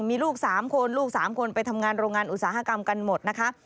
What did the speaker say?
มีลูก๓คนลูก๓คนไปทำงานโรงงานอุตสาหกรรมกันหมดนะคะ